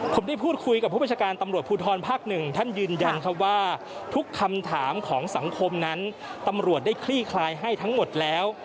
ผมได้พูดคุยกับผู้ประชาการตำรวจภูทรภาคหนึ่งท่านยืนยันครับว่าทุกคำถามของสังคมนั้นตำรวจได้คลี่คลายให้ทั้งหมดแล้ว